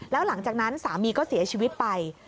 แล้วหลังจากนั้นสามีก็เสียชีวิตไป